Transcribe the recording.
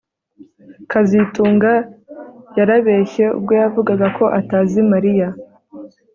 kazitunga yarabeshye ubwo yavugaga ko atazi Mariya